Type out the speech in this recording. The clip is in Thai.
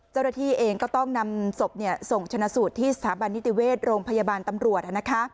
เจ้าหน้าที่เองก็ต้องนำศพส่งชนะสูตรที่สถาบันนิติเวชโรงพยาบาลตำรวจ